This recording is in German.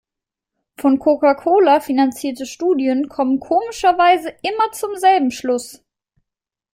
Von Coca-Cola finanzierte Studien kommen komischerweise immer zum selben Schluss.